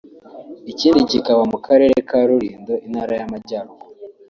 ikindi kikaba mu Karere ka Rulindo Intara y’Amajyaruguru)